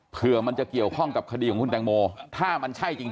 เผื่อมันจะเกี่ยวข้องกับคดีของคุณแตงโมถ้ามันใช่จริง